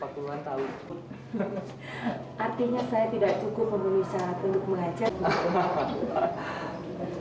artinya saya tidak cukup memenuhi saat untuk mengajar ibu